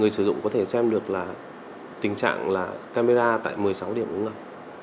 sử dụng có thể xem được là tình trạng là camera tại một mươi sáu điểm ngập ngập